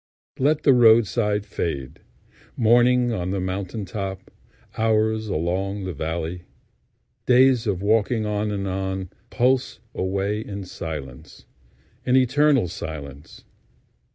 Let the road side fade:Morning on the mountain top, Hours along the valley, Days of walking on and on, Pulse away in silence, In eternal silence.